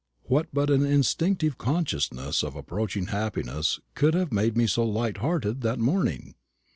What but an instinctive consciousness of approaching happiness could have made me so light hearted that morning?